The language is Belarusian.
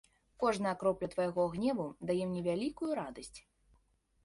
Кожная кропля твайго гневу дае мне вялікую радасць.